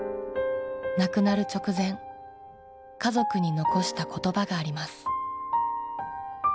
亡くなる直前家族に残した言葉があります。